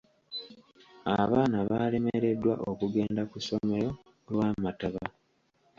Abaana baalemereddwa okugenda ku ssomero olw'amataba.